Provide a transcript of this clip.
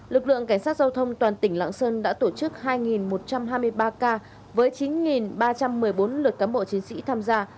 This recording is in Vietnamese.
lực lượng cảnh sát giao thông toàn tỉnh lạng sơn đã tổ chức hai một trăm hai mươi ba ca với chín ba trăm một mươi bốn lượt cán bộ chiến sĩ tham gia